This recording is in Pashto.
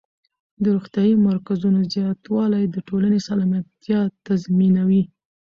د روغتیايي مرکزونو زیاتوالی د ټولنې سلامتیا تضمینوي.